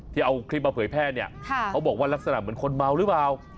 เอาคลิปมาเผยแพร่เนี่ยเขาบอกว่าลักษณะเหมือนคนเมาหรือเปล่า